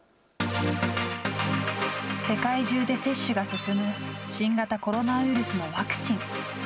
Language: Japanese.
世界中で接種が進む新型コロナウイルスのワクチン。